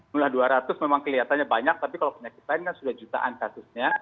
mulai dua ratus memang kelihatannya banyak tapi kalau penyakit lain kan sudah jutaan kasusnya